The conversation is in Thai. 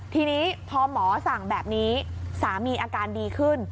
ทีนี้พอหมอสั่งแบบนี้สามีอาการดีขึ้น